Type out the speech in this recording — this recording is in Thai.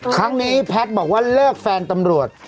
ครั้งนี้แพทย์บอกว่าเลิกแฟนตำรวจ